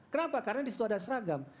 kenapa karena di situ ada seragam